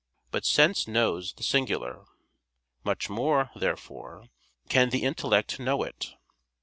But sense knows the singular. Much more, therefore, can the intellect know it.